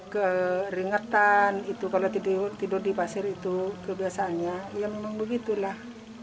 keringetan itu kalau tidur di pasir itu kebiasaannya ya memang begitulah